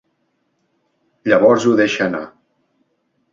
Llavors ho deixa anar.